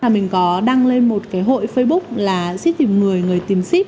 mình có đăng lên một hội facebook là ship tìm người người tìm ship